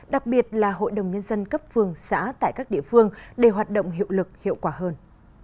đặc biệt là hội đồng nhân dân cấp phường xã tại các địa phương để hoạt động hiệu lực hiệu quả hơn